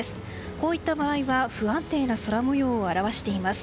こういった場合は不安定な空模様を表しています。